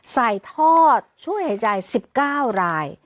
ทอดช่วยหายใจ๑๙ราย